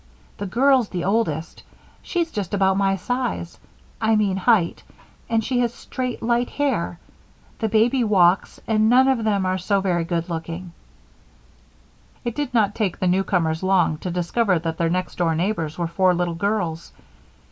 The girl's the oldest. She's just about my size I mean height and she has straight, light hair. The baby walks, and none of them are so very good looking." It did not take the newcomers long to discover that their next door neighbors were four little girls.